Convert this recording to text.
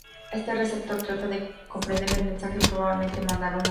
Este receptor trata de comprender el mensaje y probablemente mandar uno nuevo.